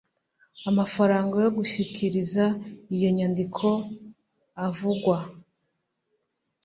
amafaranga yo gushyikiriza iyo nyandiko avugwa